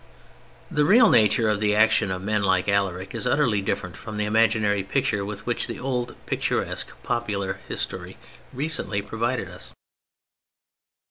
The real nature of the action of men like Alaric is utterly different from the imaginary picture with which the old picturesque popular history recently provided us.